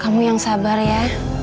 kamu yang sabar ya